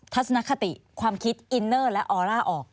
ทัศนคติความคิดอินเนอร์และออร่าออก